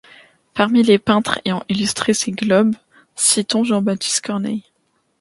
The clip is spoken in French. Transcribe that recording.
Parmi les peintres ayant illustré ces globes, citons Jean-Baptiste Corneille.